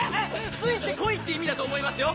「ついて来い」って意味だと思いますよ。